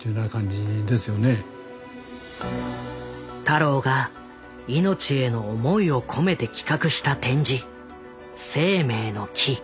太郎が命への思いを込めて企画した展示「生命の樹」。